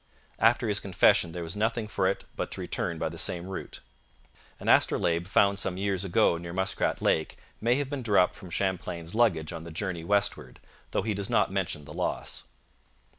After his confession there was nothing for it but to return by the same route. An astrolabe found some years ago near Muskrat Lake may have been dropped from Champlain's luggage on the journey westward, though he does not mention the loss.